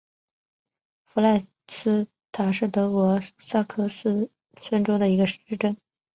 弗赖斯塔特是德国下萨克森州的一个市镇。